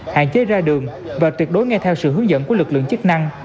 hạn chế ra đường và tuyệt đối ngay theo sự hướng dẫn của lực lượng chức năng